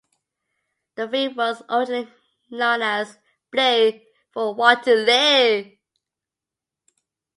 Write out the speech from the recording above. The film was originally known as "Blue for Waterloo".